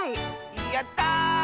やった！